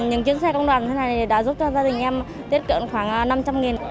những chuyến xe công đoàn thế này đã giúp cho gia đình em tiết kiệm khoảng năm trăm linh